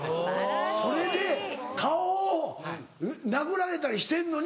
それで顔を殴られたりしてんのに。